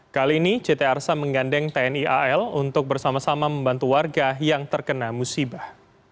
kali ini ct arsa menggandeng tni al untuk bersama sama membantu warga yang terkena musibah